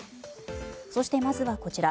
そして、まずはこちら。